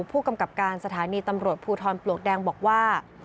ผู้กำกับการสถานีตำรวจภูทรปลวกแดงบอกว่า